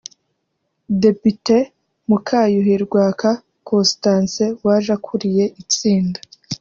Depite Mukayuhi Rwaka Costance waje akuriye itsinda